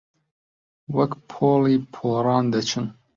وەک پۆلی پۆڕان دەچن